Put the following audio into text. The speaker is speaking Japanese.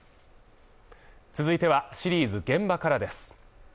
続いては、シリーズ「現場から」です。